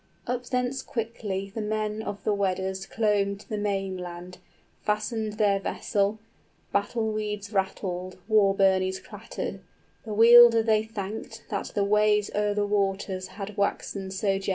Up thence quickly The men of the Weders clomb to the mainland, Fastened their vessel (battle weeds rattled, War burnies clattered), the Wielder they thanked That the ways o'er the waters had waxen so gentle.